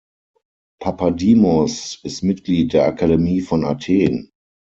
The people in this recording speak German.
Papadimos ist Mitglied der Akademie von Athen.